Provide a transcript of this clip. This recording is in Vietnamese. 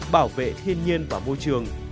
bảo vệ thiên nhiên và môi trường